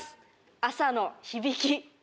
「朝の響き」。